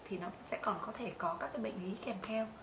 thì nó sẽ còn có thể có các bệnh ví kèm theo